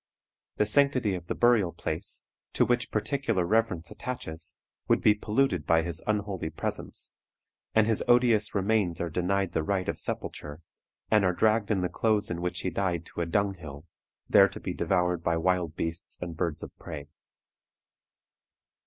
The sanctity of the burial place, to which particular reverence attaches, would be polluted by his unholy presence, and his odious remains are denied the rite of sepulture, and are dragged in the clothes in which he died to a dunghill, there to be devoured by wild beasts and birds of prey.